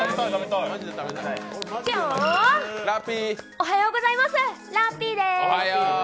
おはようございますラッピーです。